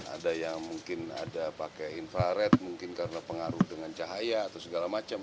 ada yang mungkin ada pakai infrared mungkin karena pengaruh dengan cahaya atau segala macam